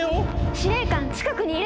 司令官近くにいる！